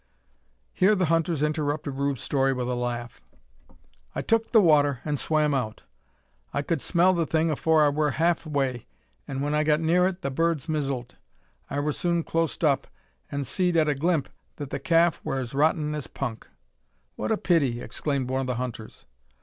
Here the hunters interrupted Rube's story with a laugh. "I tuk the water, an' swam out. I kud smell the thing afore I wur half way, an' when I got near it, the birds mizzled. I wur soon clost up, an' seed at a glimp that the calf wur as rotten as punk." "What a pity!" exclaimed one of the hunters.